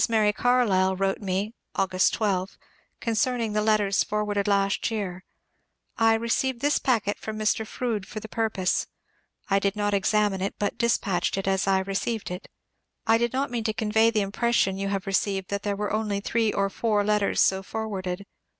(Mary) Carlyle wrote me (August 12) concerning the letters forwarded last year, ^^ I received this packet from Mr. Froude for the purpose. I did not examine it, but dispatched it as I received it." I did not mean to convey the impression you have received that there were only ^^ three or four " letters so forwarded.